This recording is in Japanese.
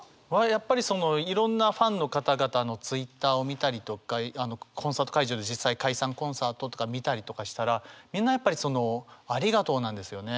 やっぱりそのいろんなファンの方々のＴｗｉｔｔｅｒを見たりとかコンサート会場で実際解散コンサートとか見たりとかしたらみんなやっぱりそのありがとうなんですよね。